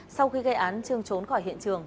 sau khi gây án trương trốn khỏi hiện trường